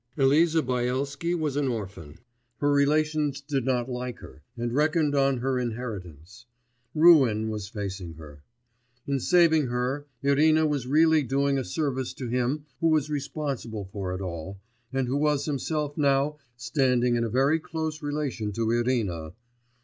Eliza Byelsky was an orphan; her relations did not like her, and reckoned on her inheritance ... ruin was facing her. In saving her, Irina was really doing a service to him who was responsible for it all, and who was himself now standing in a very close relation to Irina....